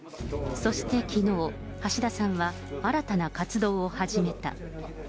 そしてきのう、橋田さんは新たな活動を始めた。